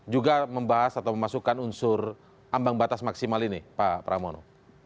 juga membahas atau memasukkan unsur ambang batas maksimal ini pak pramono